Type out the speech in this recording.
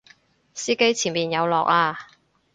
司機前面有落啊！